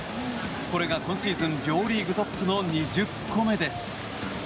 これが今シーズン両リーグトップの２０個目です。